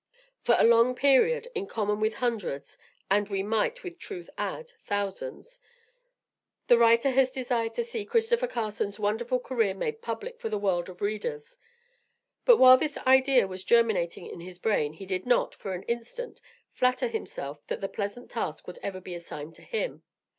For a long period, in common with hundreds and, we might with truth add, thousands, the writer has desired to see Christopher Carson's wonderful career made public for the world of readers; but, while this idea was germinating in his brain, he did not, for an instant, flatter himself that the pleasant task would ever be assigned to him.